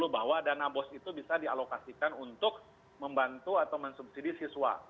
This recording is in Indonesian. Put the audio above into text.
bahwa dana bos itu bisa dialokasikan untuk membantu atau mensubsidi siswa